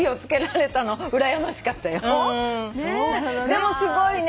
でもすごいねー。